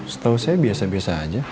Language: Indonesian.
setahu saya biasa biasa aja